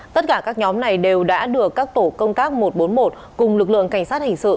tất cả các nhóm này đều đã được các tổ công tác một trăm bốn mươi một cùng lực lượng cảnh sát hình sự